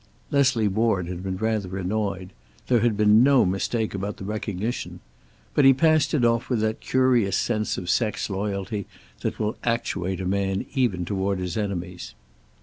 Leslie Ward had been rather annoyed. There had been no mistake about the recognition. But he passed it off with that curious sense of sex loyalty that will actuate a man even toward his enemies.